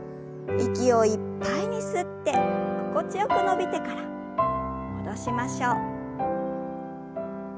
息をいっぱいに吸って心地よく伸びてから戻しましょう。